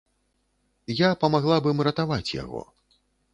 Я памагла б ім ратаваць яго.